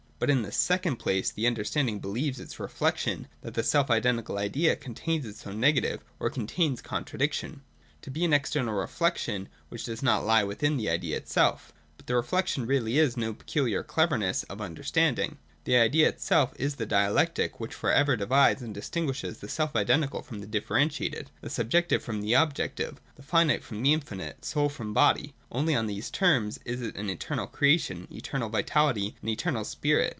But, in the secoMfl? place, the understanding believes /Vs 'reflection,' — that the self identical Idea contains its own negative, or contains contradiction, — to be an external reflection which does not lie within the Idea itself. But the reflection is really no peculiar cleverness of the under standing. The Idea itself is the dialectic which for ever divides and distinguishes the self identical from the differentiated, the subjective frr^m the objective, the finite from the infinite, soul from body. Only on these terms is it an eternal creation, eternal vitality, and eternal spirit.